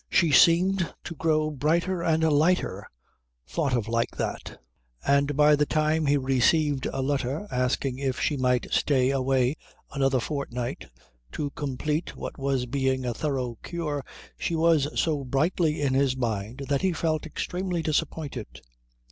She seemed to grow brighter and lighter thought of like that, and by the time he received a letter asking if she might stay away another fortnight to complete what was being a thorough cure she was so brightly in his mind that he felt extremely disappointed.